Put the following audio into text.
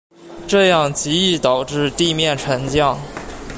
这样极易导致地面沉降。